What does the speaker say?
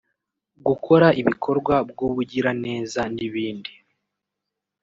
gukora ibikorwa bw’ubugiraneza n’ibindi